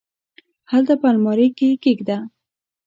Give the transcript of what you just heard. هلته په المارۍ کي یې کښېږده !